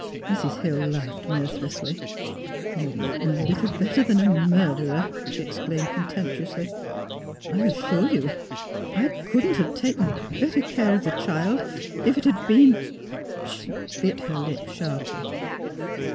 Mrs. Hill laughed mirthlessly. " You make me little better than a murderer! " she exclaimed, contemptuously. " I assure you I couldn't have taken better care of the child if it had been " She bit her lip sharply.